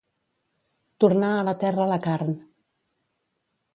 Tornar a la terra la carn.